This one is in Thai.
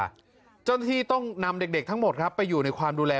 เจ้าหน้าที่ต้องนำเด็กทั้งหมดครับไปอยู่ในความดูแล